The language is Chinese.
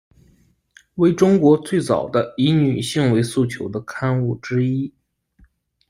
为中国最早的以女性为诉求的刊物之一。